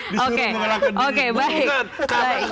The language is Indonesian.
disuruh mengalahkan diri